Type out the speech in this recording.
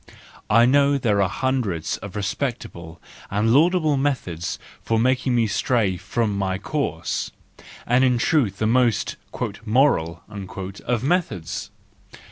I know there are hundreds of respectable and laud¬ able methods of making me stray from my course , and in truth the most " moral " of methods!